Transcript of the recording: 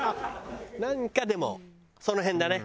なんかでもその辺だね。